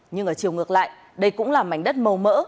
nhưng ở chiều ngược lại đây cũng là mảnh đất màu mỡ